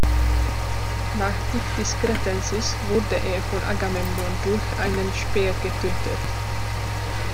Nach Dictys Cretensis wurde er von Agamemnon durch einen Speer getötet.